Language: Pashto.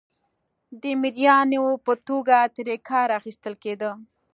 د مریانو په توګه ترې کار اخیستل کېده.